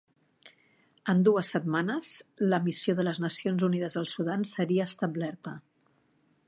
En dues setmanes, la Missió de les Nacions Unides al Sudan seria establerta.